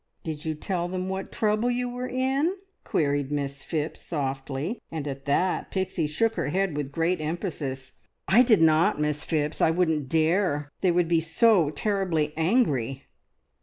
Did you tell them what trouble you were in?" queried Miss Phipps softly, and at that Pixie shook her head with great emphasis. "I did not, Miss Phipps I wouldn't dare! They would be so terribly angry!"